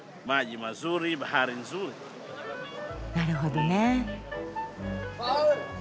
なるほどね。